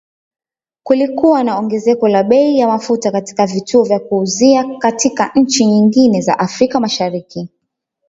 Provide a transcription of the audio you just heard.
Kulikuwa na ongezeko la bei ya mafuta katika vituo vya kuuzia katika nchi nyingine za Afrika Mashariki, ,